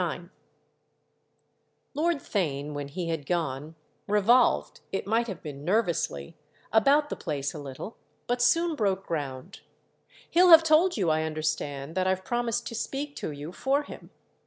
IX Lord Theign, when he had gone, revolved—it might have been nervously—about the place a little, but soon broke ground. "He'll have told you, I understand, that I've promised to speak to you for him.